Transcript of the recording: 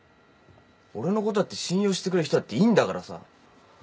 俺のことだって信用してくれる人だっていんだからさ。